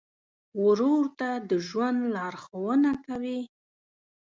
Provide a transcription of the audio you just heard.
ورور ته د ژوند لارښوونه کوې.